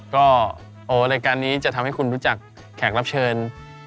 ก็โอ้รายการนี้จะทำให้คุณรู้จักแขกรับเชิญ